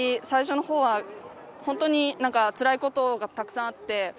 最初のほうは本当につらいことがたくさんあって。